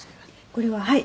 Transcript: これははい。